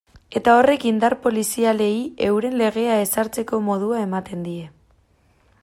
Eta horrek indar polizialei euren legea ezartzeko modua ematen die.